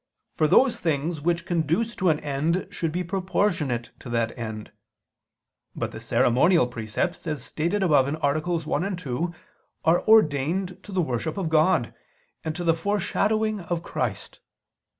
For those things which conduce to an end should be proportionate to that end. But the ceremonial precepts, as stated above (AA. 1, 2), are ordained to the worship of God, and to the foreshadowing of Christ.